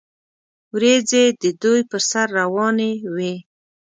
وریځې د دوی پر سر روانې وې.